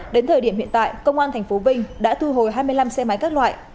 đến thời điểm hiện tại công an tp vinh đã thu hồi hai mươi năm xe máy các loại